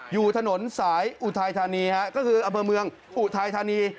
อยู่ถนนสายอุทัยธานีฮะก็คืออำเภอเมืองอุทัยธานี